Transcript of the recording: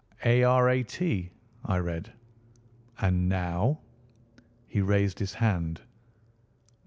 "ARAT," I read. "And now?" He raised his hand.